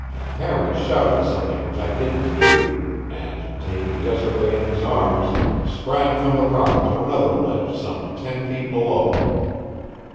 Harry shouted something which I didn't hear, and, taking Desiree in his arms, sprang from the rock to another ledge some ten feet below.